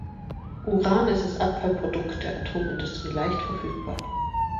Uran ist als Abfallprodukt der Atomindustrie leicht verfügbar.